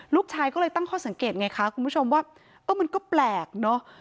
ลูกชายก็เลยตั้งข้อสังเกตไงคะคุณผู้ชมว่าเออมันก็แปลกเนอะ